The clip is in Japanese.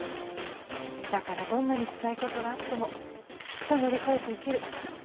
だからどんなにつらい事があってもきっと乗り越えていける。